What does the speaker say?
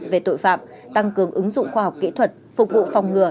về tội phạm tăng cường ứng dụng khoa học kỹ thuật phục vụ phòng ngừa